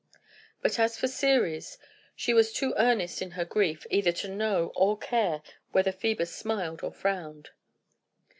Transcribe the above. But as for Ceres, she was too earnest in her grief either to know or care whether Phœbus smiled or frowned.